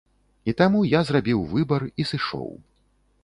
І таму я зрабіў выбар і сышоў.